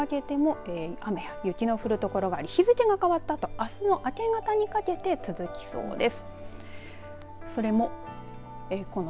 今夜遅くにかけても雨や雪の降る所が日付が変わったあとあすの明け方にかけて続きそうです。